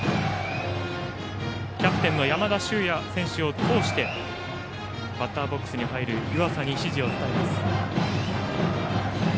キャプテンの山田脩也選手を通してバッターボックスに入る湯浅に指示を伝えます。